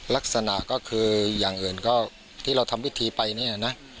ลักษณะก็คืออย่างอื่นก็ที่เราทำพิธีไปเนี่ยนะ